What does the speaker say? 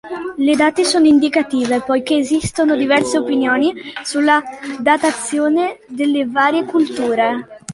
Le date sono indicative, poiché esistono diverse opinioni sulla datazione delle varie culture.